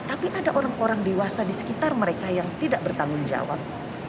tapi ada orang orang dewasa di sekitar mereka yang tidak bertanggung jawab